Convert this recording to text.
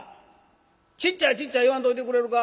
「『ちっちゃいちっちゃい』言わんといてくれるか。